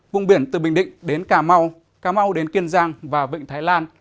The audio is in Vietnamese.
vùng biển từ bình định đến cà mau cà mau đến kiên giang và vịnh thái lan